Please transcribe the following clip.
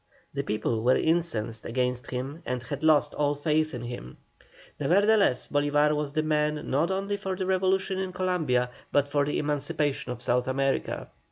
The people were incensed against him and had lost all faith in him. Nevertheless, Bolívar was the man not only for the revolution in Columbia, but for the emancipation of South America.